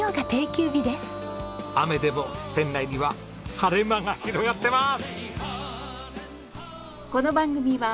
雨でも店内には晴れ間が広がってまーす！